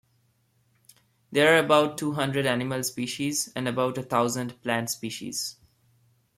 There are about two hundred Animal species, and about a thousand plant species.